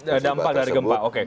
ada empat dari gempa oke